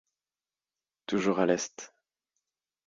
Toujours à l’est.